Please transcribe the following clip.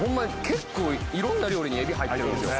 結構色んな料理に海老入ってるんですよ